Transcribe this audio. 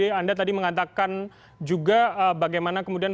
anda tadi mengatakan juga bagaimana kemudian